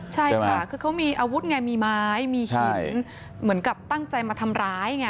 ใช่ค่ะคือเขามีอาวุธไงมีไม้มีหินเหมือนกับตั้งใจมาทำร้ายไง